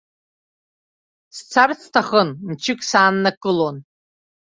Сцарц сҭахын, мчык сааннакылон.